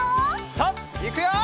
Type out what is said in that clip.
さあいくよ！